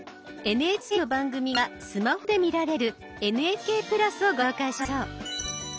ＮＨＫの番組がスマホで見られる「ＮＨＫプラス」をご紹介しましょう。